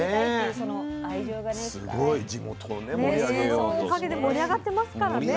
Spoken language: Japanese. そのおかげで盛り上がってますからね。